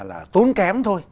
là tốn kém thôi